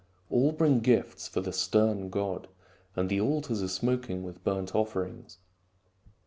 All bring gifts for the stern god, and the altars are smoking with burnt offerings.